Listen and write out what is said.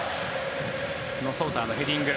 そのソウターのヘディング。